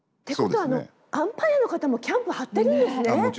ことはアンパイアの方もキャンプ張ってるんですね。